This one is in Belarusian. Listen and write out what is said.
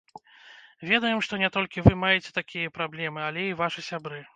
Ведаем, што не толькі вы маеце такія праблемы, але і вашы сябры?